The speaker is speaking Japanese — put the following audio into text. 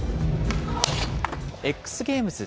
Ｘゲームズ